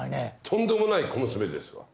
とんでもない小娘ですわ。